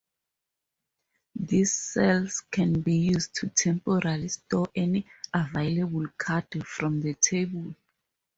These cells can be used to temporarily store any available card from the table.